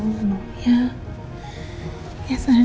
pokoknya kita serahin semuanya sama allah